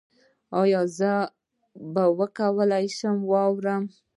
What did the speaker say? ایا زه به وکولی شم واورم؟